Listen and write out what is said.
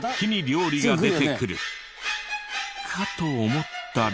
かと思ったら。